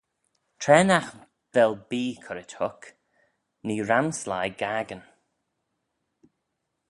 Tra nagh vel bee currit huc, nee ram sleih gaccan.